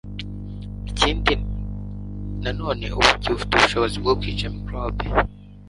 ikindi nanone ubuki bufite ubushobozi bwo kwica mikorobe